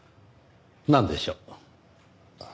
なんでしょう？